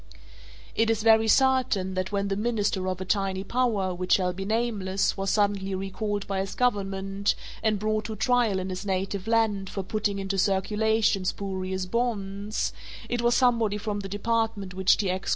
It is very certain that when the minister of a tiny power which shall be nameless was suddenly recalled by his government and brought to trial in his native land for putting into circulation spurious bonds, it was somebody from the department which T. X.